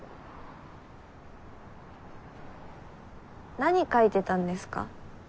なに描いてたんですか？